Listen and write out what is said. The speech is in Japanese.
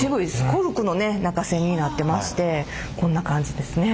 コルクのね中栓になってましてこんな感じですね。